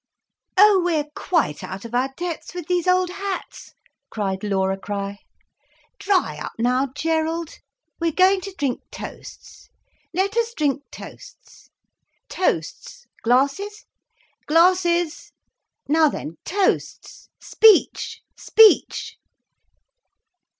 "Oh, we're quite out of our depths with these old hats," cried Laura Crich. "Dry up now, Gerald. We're going to drink toasts. Let us drink toasts. Toasts—glasses, glasses—now then, toasts! Speech! Speech!"